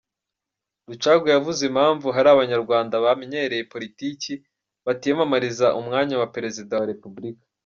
Rucagu yavuze impamvu hari Abanyarwanda bamenyereye politiki batiyamamariza umwanya wa Perezida wa Repubulika.